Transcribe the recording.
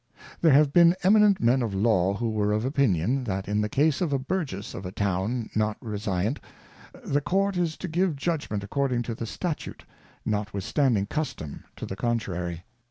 There have been Eminent Men of Law who were of opinion. That in the Case of a Burgess of a Town not Resiant, the Court is to give Judgment according to the Statute, notwith standing Custom to the contrary.